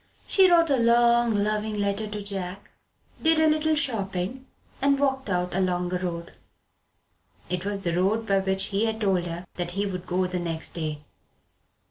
She wrote a long loving letter to John, did a little shopping, and walked out along a road. It was the road by which he had told her that he would go the next day.